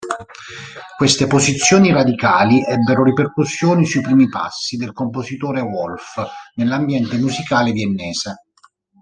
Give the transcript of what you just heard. Queste posizioni radicali ebbero ripercussioni sui primi passi del compositore Wolf nell'ambiente musicale viennese.